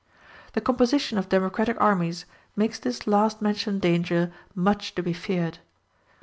The composition of democratic armies makes this last mentioned danger much to be feared.